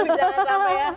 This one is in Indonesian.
aduh jangan sama ya